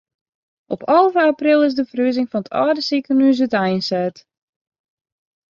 Op alve april is de ferhuzing fan it âlde sikehús úteinset.